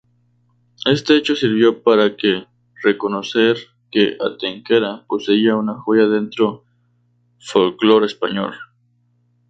Este hecho sirvió para que reconocer que Antequera poseía una joya dentro folclore español.